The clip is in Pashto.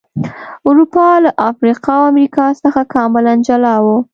اروپا له افریقا او امریکا څخه کاملا جلا و.